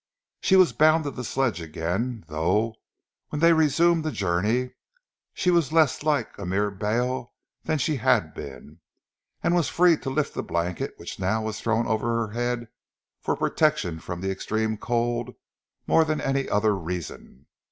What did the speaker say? She was bound to the sledge again, though, when they resumed the journey, she was less like a mere bale than she had been, and was free to lift the blanket which now was thrown over her head for protection from the extreme cold more than for any other reason.